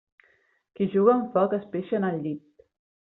Qui juga amb foc es pixa en el llit.